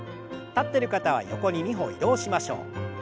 立ってる方は横に２歩移動しましょう。